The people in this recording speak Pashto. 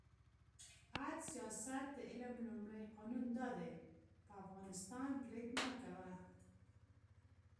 «عد سیاست د علم لومړی قانون دا دی: پر افغانستان برید مه کوه.